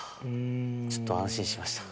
ちょっと安心しました。